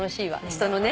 人のね。